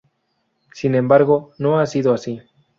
Sin embargo, no ha sido así.